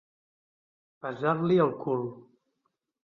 Pesar-li el cul.